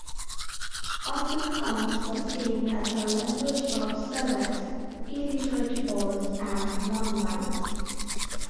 Afrikaans was seen as a language of servants, illiterate Boers, and nonwhites.